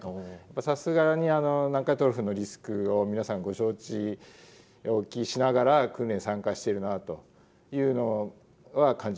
さすがに南海トラフのリスクを皆さんご承知おきしながら訓練参加しているなというのは感じました。